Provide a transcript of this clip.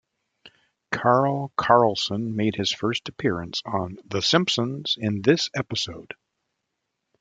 Carl Carlson made his first appearance on "The Simpsons" in this episode.